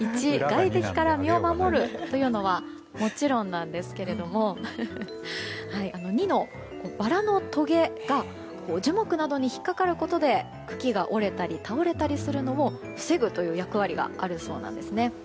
１、外敵から守るというのはもちろんなんですけど２のバラのとげが樹木などに引っかかることで茎が折れたり倒れたりするのを防ぐという役割があるそうなんですね。